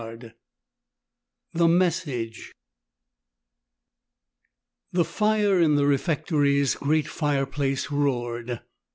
14: THE MESSAGE The fire in the refectory's great fireplace roared.